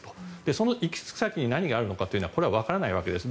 その行き着く先に何があるのかはこれはわからないわけです。